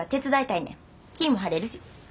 気ぃも晴れるし。